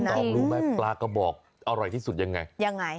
ตอมรู้ไหมปลากระบอกอร่อยที่สุดยังไงยังไง